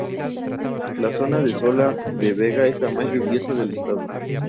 La zona de Sola de Vega es la más lluviosa del estado.